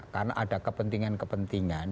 karena ada kepentingan kepentingan